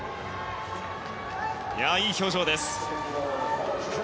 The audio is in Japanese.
いい表情です。